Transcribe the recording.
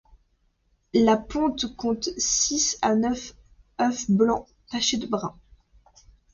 La ponte compte six à neuf œufs blancs, tachés de brun.